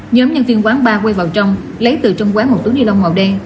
nhóm nhân viên quán ba quay vào trong lấy từ trong quán một túi nilon màu đen